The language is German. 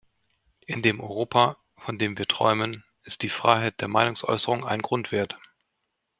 In dem Europa, von dem wir träumen, ist die Freiheit der Meinungsäußerung ein Grundwert.